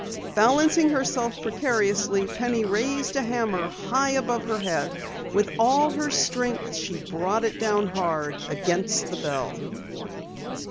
Balancing herself precariously, Penny raised a hammer high above her head. With all her strength she brought it down hard against the bell.